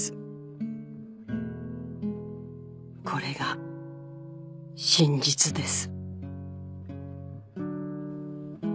「これが真実です」